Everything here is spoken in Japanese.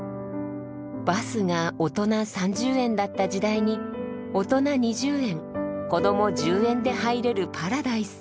バスが大人３０円だった時代に大人２０円子ども１０円で入れるパラダイス。